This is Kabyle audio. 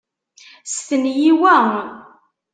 Stenyi wa.